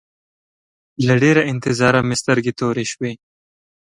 له ډېره انتظاره مې سترګې تورې شوې.